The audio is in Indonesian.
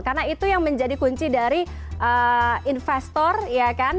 karena itu yang menjadi kunci dari investor ya kan